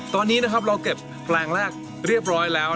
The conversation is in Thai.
ตอนนี้นะครับเราเก็บแปลงแรกเรียบร้อยแล้ว